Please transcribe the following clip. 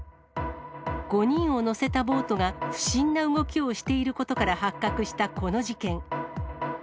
５人を乗せたボートが、不審な動きをしていることから発覚したこの事件。